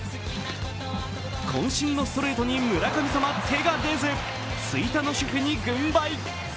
こん身のストレートに村神様、手が出ず吹田の主婦に軍配。